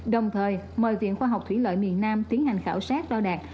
đồng thời mời viện khoa học thủy lợi miền nam tiến hành khảo sát đo đạt